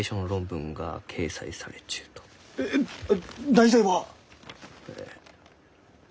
題材は？え。